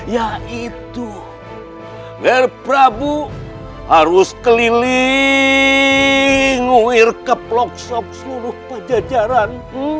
yaitu ger prabu harus keliling nguir keplok slok seluruh pejajaran